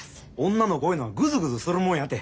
女の子いうのはグズグズするもんやて。